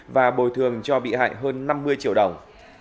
và bồi thường cho bị hại hơn năm mươi triệu đồng